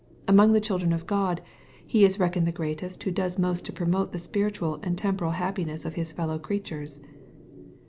Among the children of God, he is reckoned the greatest who does most to promote the spiritual and temporal happiness of his fellow creatures.